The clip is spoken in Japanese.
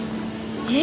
えっ？